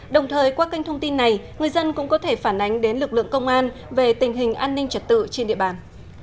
đồng thời qua kênh thông tin này người dân cũng có thể phản ánh đến lực lượng công an về tình hình an ninh trật tự trên địa bàn